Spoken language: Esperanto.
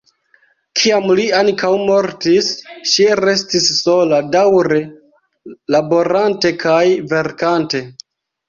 Kiam li ankaŭ mortis, ŝi restis sola, daŭre laborante kaj verkante.